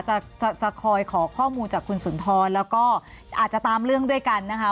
จะจะคอยขอข้อมูลจากคุณสุนทรแล้วก็อาจจะตามเรื่องด้วยกันนะคะ